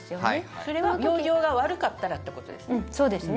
それは病状が悪かったらってことですね。